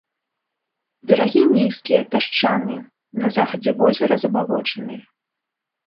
Берагі нізкія, пясчаныя, на захадзе возера забалочаныя.